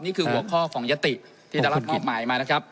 นี่คือหัวข้อของยติที่ได้รับมอบหมายมานะครับ